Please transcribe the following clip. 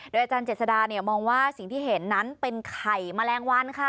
อาจารย์เจษดามองว่าสิ่งที่เห็นนั้นเป็นไข่แมลงวันค่ะ